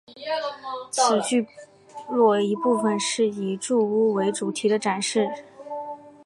此聚落一部份是以住屋为主题的展示。